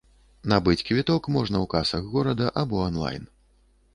Набыць квіток можна ў касах горада або анлайн.